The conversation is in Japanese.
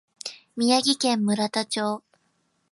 宮城県村田町